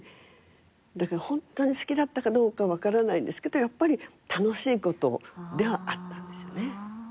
だからホントに好きだったかどうか分からないんですけどやっぱり楽しいことではあったんですよね。